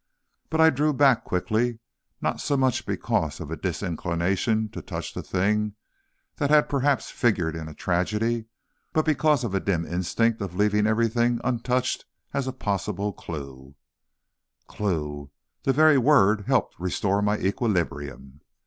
But I drew back quickly, not so much because of a disinclination to touch the thing that had perhaps figured in a tragedy but because of a dim instinct of leaving everything untouched as a possible clew. Clew! The very word helped restore my equilibrium.